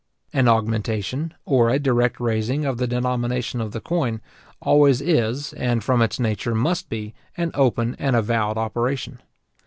An augmentation, or a direct raising of the denomination of the coin, always is, and from its nature must be, an open and avowed operation.